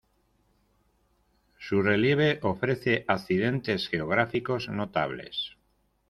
Su relieve ofrece accidentes geográficos notables.